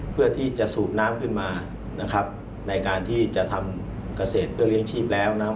เพื่อที่จะสูบน้ำขึ้นมาในการที่จะทำเกษตรเพื่อเลี้ยงชีพแล้ว